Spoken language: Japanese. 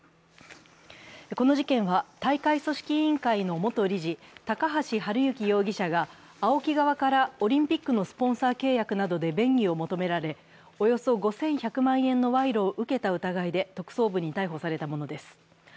この事件は、大会組織委員会の元理事、高橋治之容疑者がＡＯＫＩ側からオリンピックのスポンサー契約などで便宜を求められ、およそ５１００万円の賄賂を受けた疑いで特捜部に逮捕されたものです。